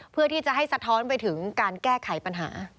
เพื่อที่จะให้สะท้อนไปถึงการแก้ไขปัญหา